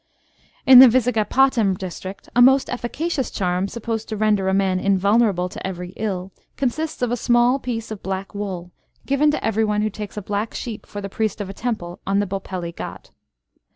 In the Vizagapatam district, a most efficacious charm, supposed to render a man invulnerable to every ill, consists of a small piece of black wool, given to every one who takes a black sheep for the priest of a temple on the Bopelli ghat.